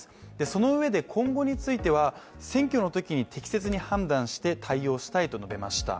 そのうえで、今後については選挙のときに適切に判断して対応したいと述べました。